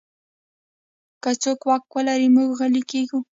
که څوک واک ولري، موږ غلی کېږو.